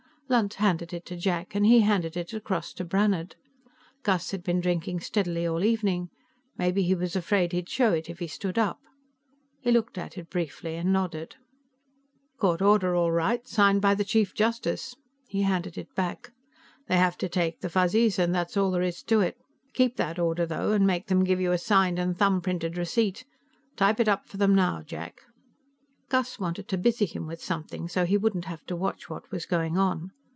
Lunt handed it to Jack, and he handed it across to Brannhard. Gus had been drinking steadily all evening; maybe he was afraid he'd show it if he stood up. He looked at it briefly and nodded. "Court order, all right, signed by the Chief Justice." He handed it back. "They have to take the Fuzzies, and that's all there is to it. Keep that order, though, and make them give you a signed and thumbprinted receipt. Type it up for them now, Jack." Gus wanted to busy him with something, so he wouldn't have to watch what was going on.